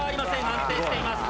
安定しています。